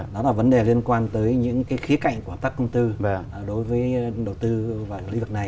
đó là vấn đề liên quan tới những khía cạnh của các công tư đối với đầu tư và lĩnh vực này